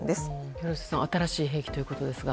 廣瀬さん新しい兵器ということですが。